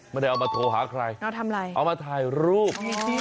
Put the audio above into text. ไม่ได้เอามาโทรหาใครเอามาถ่ายรูป